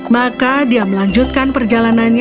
maka dia melanjutkan mencari putri yang menangisnya